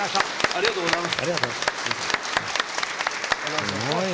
ありがとうございます！